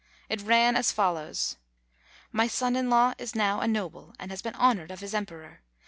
It ran as follows : ^'My son in law is now a noble, and has been honored of his emperor.